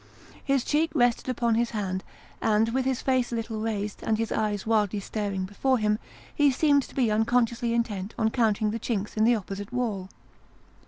His cheek rested upon his hand ; and, with his face a little raised, and his eyes wildly staring before him, he seemed to be unconsciously intent on counting the chinks in the opposite wall.